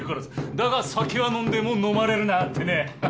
だが酒は飲んでものまれるなってね。